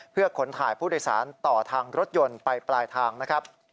เพื่อขนถ่ายผู้โดยสารต่อทางรถยนต์ไปปลายทางนะครับ